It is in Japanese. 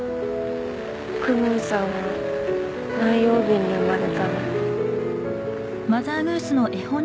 公文さんは何曜日に生まれたの？